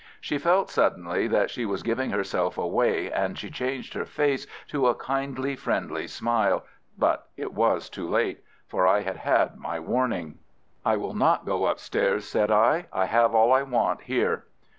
She felt suddenly that she was giving herself away, and she changed her face to a kindly, friendly smile, but it was too late, for I had had my warning. "I will not go upstairs," said I. "I have all I want here."